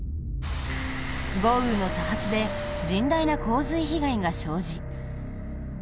豪雨の多発で甚大な洪水被害が生じ。